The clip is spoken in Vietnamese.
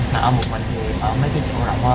mà ở một mình thì ở mấy chỗ rộng hơn